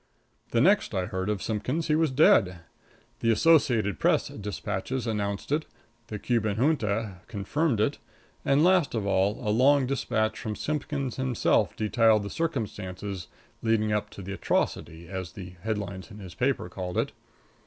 The next I heard of Simpkins he was dead. The Associated Press dispatches announced it, the Cuban Junta confirmed it, and last of all, a long dispatch from Simpkins himself detailed the circumstances leading up to the "atrocity," as the headlines in his paper called it.